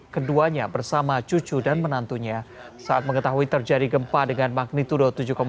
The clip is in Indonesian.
keduanya bersama cucu dan menantunya saat mengetahui terjadi gempa dengan magnitudo tujuh satu